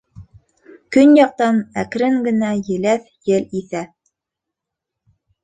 Көньяҡтан әкрен генә еләҫ ел иҫә.